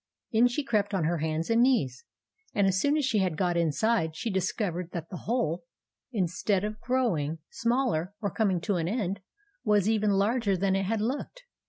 In she crept on her hands and knees, and as soon as she had got inside, she discovered that the hole, instead of grow THE BROWNIE JELLY 183 ing smaller or coming to an end, was even larger than it had looked.